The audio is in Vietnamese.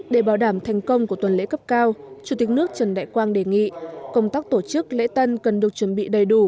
để bảo đảm thành công của tuần lễ cấp cao chủ tịch nước trần đại quang đề nghị công tác tổ chức lễ tân cần được chuẩn bị đầy đủ